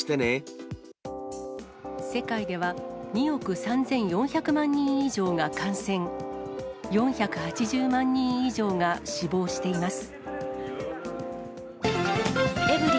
世界では、２億３４００万人以上が感染、４８０万人以上が死亡しています。